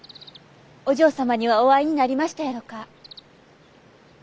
お嬢様にはお会いになりましたやろか。